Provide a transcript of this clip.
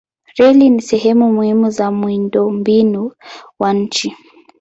Reli ni sehemu muhimu za miundombinu wa nchi.